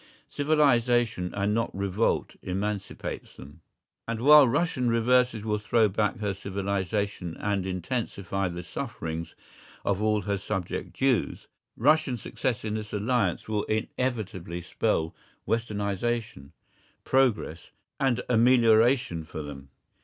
Civilisation and not revolt emancipates them. And while Russian reverses will throw back her civilisation and intensify the sufferings of all her subject Jews, Russian success in this alliance will inevitably spell Westernisation, progress, and amelioration for them.